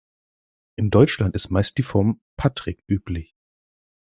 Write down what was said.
In Deutschland ist meist die Form Patrick üblich.